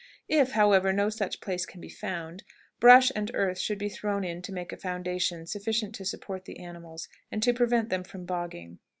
If, however, no such place can be found, brush and earth should be thrown in to make a foundation sufficient to support the animals, and to prevent them from bogging.